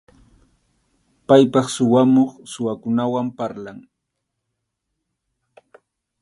Paypaq suwamuq, suwakunawan parlan.